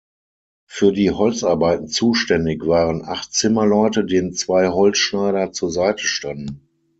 Für die Holzarbeiten zuständig waren acht Zimmerleute, denen zwei Holzschneider zur Seite standen.